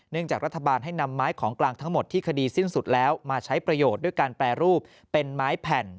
จากรัฐบาลให้นำไม้ของกลางทั้งหมดที่คดีสิ้นสุดแล้วมาใช้ประโยชน์ด้วยการแปรรูปเป็นไม้แผ่น